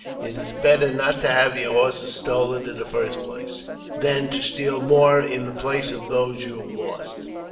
It is better not to have your horses stolen in the first place, than to steal more in the place of those you have lost.